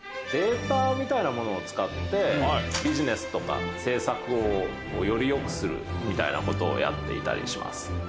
データみたいなものを使ってビジネスとか政策をよりよくするみたいなことをやっていたりします。